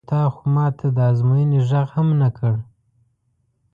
نو تا خو ما ته د ازموینې غږ هم نه کړ.